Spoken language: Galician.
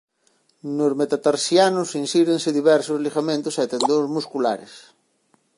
Nos metatarsianos insírense diversos ligamentos e tendóns musculares.